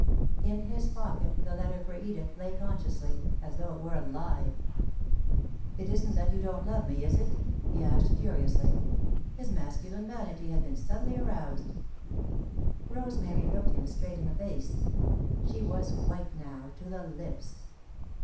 In his pocket the letter for Edith lay consciously, as though it were alive. "It isn't that you don't love me, is it?" he asked, curiously. His masculine vanity had been subtly aroused. [Sidenote: They Part] Rosemary looked him straight in the face. She was white, now, to the lips.